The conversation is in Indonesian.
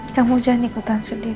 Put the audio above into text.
kamu jangan ikut tak sedih tuna